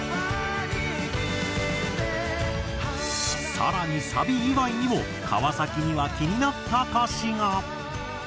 さらにサビ以外にも川崎には気になった歌詞が。